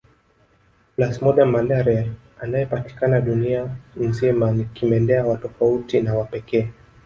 Plasmodium malariae anayepatikana dunia nzima ni kimelea wa tofauti na wa pekee